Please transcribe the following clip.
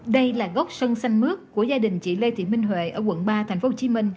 đây là gốc sân xanh mướt của gia đình chị lê thị minh huệ ở quận ba tp hcm